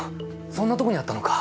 そんなとこにあったのか。